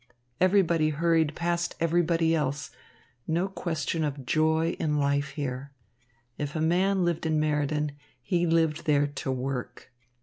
Everybody hurried past everybody else. No question of joy in life here. If a man lived in Meriden, he lived there to work.